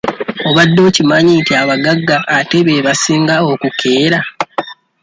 Obadde okimanyi nti abagagga ate be basinga okukeera?